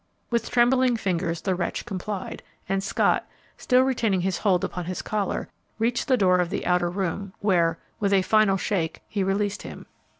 With trembling fingers the wretch complied, and Scott, still retaining his hold upon his collar, reached the door of the outer room, where, with a final shake, he released him.